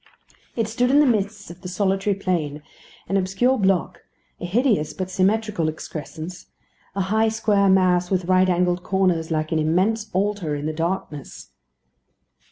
It stood in the midst of the solitary plain an obscure block, a hideous but symmetrical excrescence; a high square mass with right angled corners, like an immense altar in the darkness.